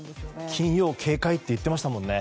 金曜警戒と言っていましたもんね。